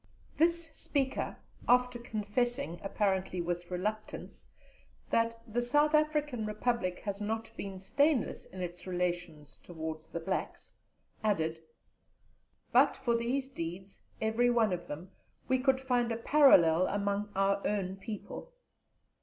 This speaker, after confessing, apparently with reluctance, that "the South African Republic had not been stainless in its relations towards the blacks," added, "but for these deeds every one of them we could find a parallel among our own people."